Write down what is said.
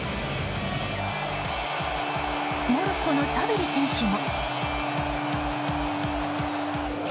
モロッコのサビリ選手も。